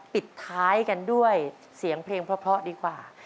ปิดท้ายกันด้วยเสียงเพลงเพราะดีกว่า